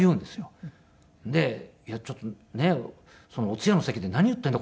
でいやちょっとお通夜の席で何言ってるんだ？